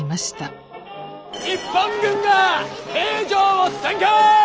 日本軍が平壌を占拠！